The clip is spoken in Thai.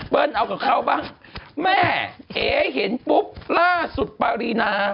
เปิ้ลเอาเงินกับเขาบ้างแม่เอ๋เปียนปุ๊บล่าสุดปรินา